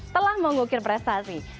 telah mengukir prestasi